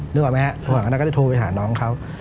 นึกออกไหมฮะพอหลังจากนั้นก็ได้โทรไปหาน้องเขา